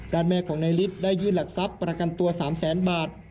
ด้านแม่ของนายลิฟต์ได้ยื่นหลักทรัพย์ประกันตัวสามแสนบาท